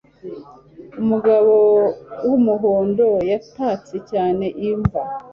Umugabo wumuhondo yatatse cyane Ivan